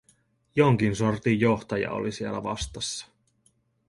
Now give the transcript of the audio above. Jonkin sortin johtaja oli siellä vastassa.